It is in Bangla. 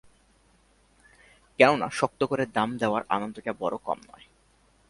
কেননা, শক্ত করে দাম দেওয়ার আনন্দটা বড়ো কম নয়।